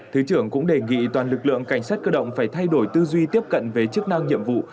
thứ trưởng cũng đề nghị toàn lực lượng cảnh sát cơ động phải thay đổi tư duy tiếp cận về chức năng nhiệm vụ